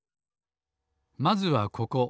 まずはここ。